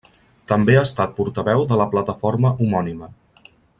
També ha estat portaveu de la plataforma homònima.